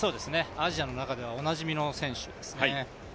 アジアの中ではおなじみの選手ですね。